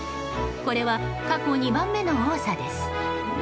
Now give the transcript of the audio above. これは過去２番目の多さです。